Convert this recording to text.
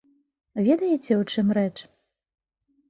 Ведаеце, у чым рэч?